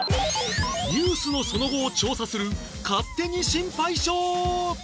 ニュースのその後を調査する『勝手にシンパイショー』